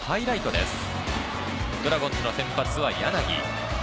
ドラゴンズの先発は柳です。